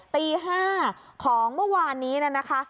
ตี๕ของเมื่อวานนี้นะคะ